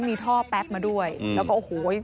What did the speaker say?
มีท่อแป๊บมาด้วยแล้วก็โอ้โห